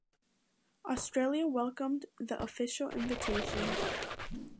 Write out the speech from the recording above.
Australia welcomed the official invitation.